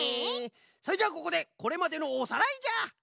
それじゃあここでこれまでのおさらいじゃ！